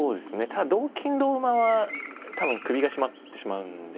ただ同金同馬は多分首が絞まってしまうんで。